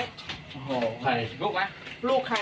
โอ้ไอ้เฮ่ลูกมั้ย